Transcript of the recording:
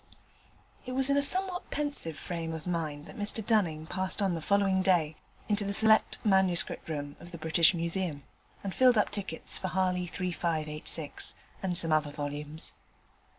It was in a somewhat pensive frame of mind that Mr Dunning passed on the following day into the Select Manuscript Room of the British Museum, and filled up tickets for Harley 3586, and some other volumes.